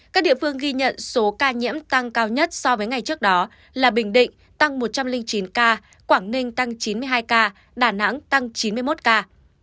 các địa phương ghi nhận số ca nhiễm tăng cao nhất so với ngày trước đó là bình định tăng một trăm linh chín ca quảng ninh tăng chín mươi hai ca đà nẵng tăng chín mươi một ca